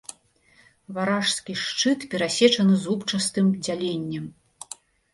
Варажскі шчыт перасечаны зубчастым дзяленнем.